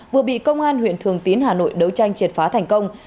vừa bị công an huyện thường tín hà nội đấu tranh triệt phá thành công